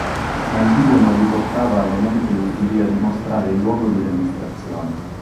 Ma il video non riportava elementi utili a dimostrare il luogo di registrazione.